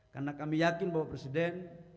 karena kami yakin bapak presiden